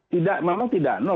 tidak memang tidak nol